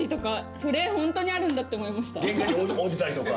玄関に置いてたりとか。